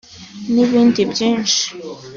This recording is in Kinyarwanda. N’ibindi byinshi